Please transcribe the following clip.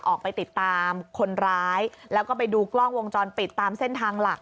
ออกไปติดตามคนร้ายแล้วก็ไปดูกล้องวงจรปิดตามเส้นทางหลัก